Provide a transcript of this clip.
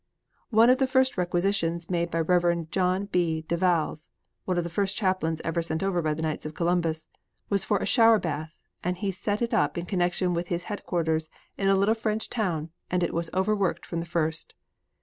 One of the first requisitions made by Rev. John B. De Valles, one of the first chaplains sent over by the Knights of Columbus, was for a shower bath and he set it up in connection with his headquarters in a little French town and it was overworked from the first.